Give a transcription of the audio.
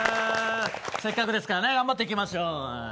せっかくですからね、頑張っていきましょう。